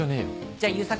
じゃあ悠作？